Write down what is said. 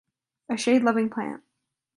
A shade loving plant.